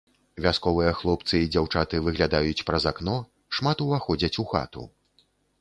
Вясковыя хлопцы і дзяўчаты выглядаюць праз акно, шмат уваходзяць у хату.